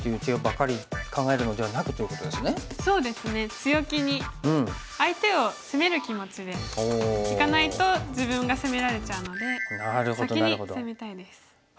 強気に相手を攻める気持ちでいかないと自分が攻められちゃうので先に攻めたいです。